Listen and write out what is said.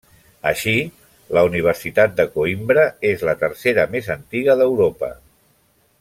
Així, la Universitat de Coïmbra és la tercera més antiga d'Europa.